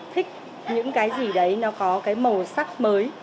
thích những cái gì đấy nó có cái màu sắc mới